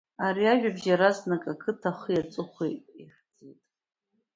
Ари ажәабжь иаразнак ақыҭа ахи аҵыхәеи иахьӡеит.